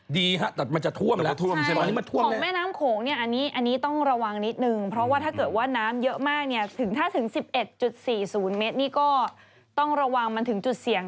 ดีฮะแต่มันจะท่วมแล้วตอนนี้มันท่วมแล้วของแม่น้ำโขงเนี่ยอันนี้ต้องระวังนิดนึง